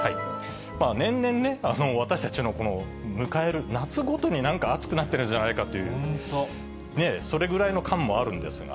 年々ね、私たちの迎える夏ごとになんか暑くなってるんじゃないかという、それぐらいの感もあるんですが。